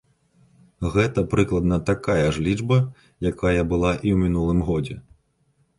Гэта прыкладна такая ж лічба, якая была і ў мінулым годзе.